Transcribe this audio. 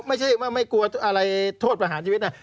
ไม่ใช่ไม่กลัวอะไรโทษประหารชีวิตนะ